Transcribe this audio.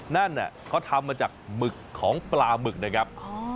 นั่นเขาทำมาจากหมึกของปลาหมึกนะครับ